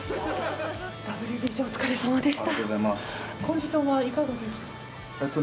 ＷＢＣお疲れさまでした。